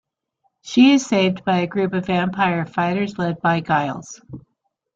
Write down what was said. She is saved by a group of vampire fighters led by Giles.